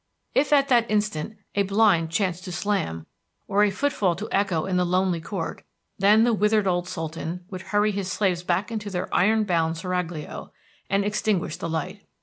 If at that instant a blind chanced to slam, or a footfall to echo in the lonely court, then the withered old sultan would hurry his slaves back into their iron bound seraglio, and extinguish the light.